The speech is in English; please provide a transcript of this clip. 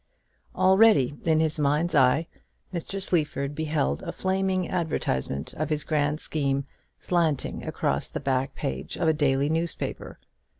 Already in his mind's eye Mr. Sleaford beheld a flaming advertisement of his grand scheme slanting across the back page of a daily newspaper.